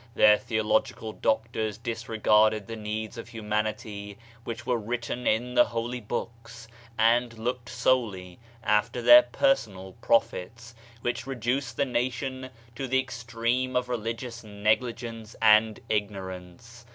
Their theological doctors disregarded the needs of humanity, which were written in the holy Books, and looked solely after their personal profits, which reduced the nation to the extreme of religious negligence and ignorance.